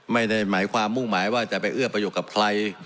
ไม่ได้หมายความมุ่งหมายว่าจะไปเอื้อประโยชน์กับใคร